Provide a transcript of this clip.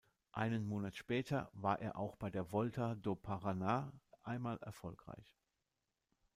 Einen Monat später war er auch bei der Volta do Paraná einmal erfolgreich.